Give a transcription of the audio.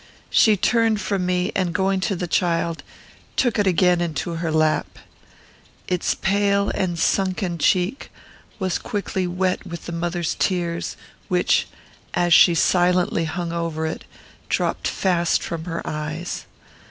She turned from me, and, going to the child, took it again into her lap. Its pale and sunken cheek was quickly wet with the mother's tears, which, as she silently hung over it, dropped fast from her eyes.